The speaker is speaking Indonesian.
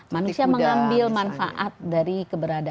manusia mengambil manfaat dari keberadaan